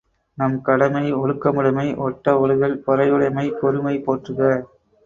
நம் கடமை ஒழுக்கமுடைமை ஒட்ட ஒழுகல் பொறையுடைமை பொறுமை போற்றுக!